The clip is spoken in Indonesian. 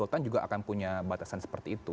yang punya batasan seperti itu